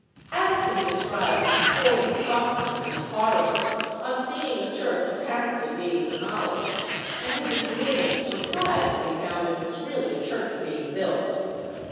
Addison describes his Tory fox hunter's horror on seeing a church apparently being demolished, and his agreeable surprise when he found it was really a church being built.